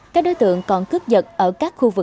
các đối tượng còn cướp giật ở các khu vực